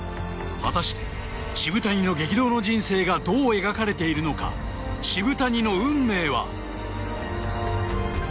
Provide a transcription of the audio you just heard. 果たして渋谷の激動の人生がどう描かれているのか渋谷の運命は？